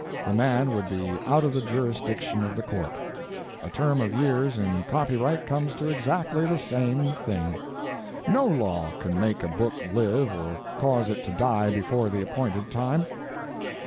The man would be out of the jurisdiction of the court. A term of years in copyright comes to exactly the same thing. No law can make a book live or cause it to die before the appointed time.